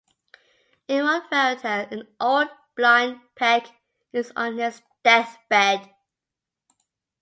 In one fairy tale, an old blind pech is on his deathbed.